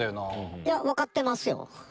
いや分かってますよ。